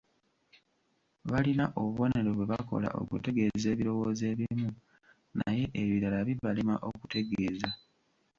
Balina obubonero bwe bakola okutegeeza ebirowoozo ebimu, naye ebirala bibalema okutegeeza.